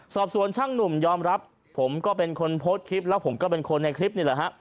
สอบสวนช่างหนุ่มยอมรับผมก็เป็นคนโพสต์คลิปแล้วผมก็เป็นคนในคลิปนี่แหละฮะ